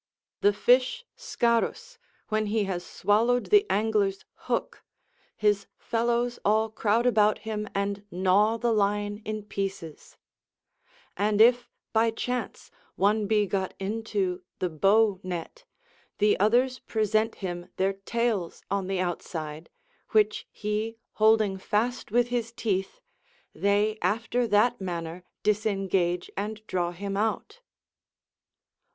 The fish Scarus, when he has swallowed the angler's hook, his fellows all crowd about him and gnaw the line in pieces; and if, by chance, one be got into the bow net, the others present him their tails on the outside, which he holding fast with his teeth, they after that manner disengage and draw him out.